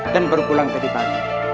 dan baru pulang tadi pagi